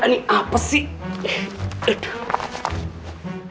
ini apa sih